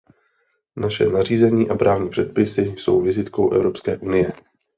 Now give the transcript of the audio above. Naše nařízení a právní předpisy jsou vizitkou Evropské unie.